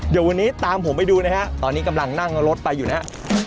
เดี๋ยววันนี้ตามผมไปดูนะฮะตอนนี้กำลังนั่งรถไปอยู่นะฮะ